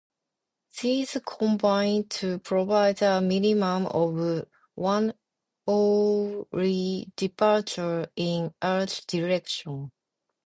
These combine to provide a minimum of one hourly departure in each direction.